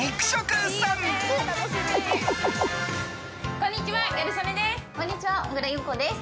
こんにちは、ギャル曽根です。